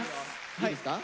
いいですか？